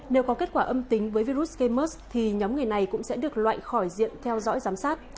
nếu có kết quả âm tính với virus gây nhóm người này cũng sẽ được loại khỏi diện theo dõi giám sát